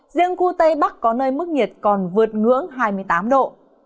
riêng khu tây bắc có nơi mức nhiệt còn vượt ngưỡng hai mươi tám độ